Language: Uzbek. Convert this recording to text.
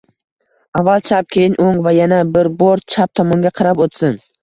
Avval chap, keyin o‘ng va yana bir bor chap tomonga qarab o'tsin.